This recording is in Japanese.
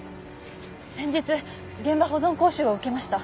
先日現場保存講習を受けました。